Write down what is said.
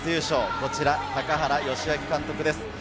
こちら、高原良明監督です。